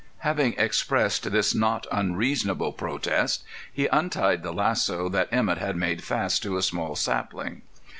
Having expressed this not unreasonable protest, he untied the lasso that Emett had made fast to a small sapling.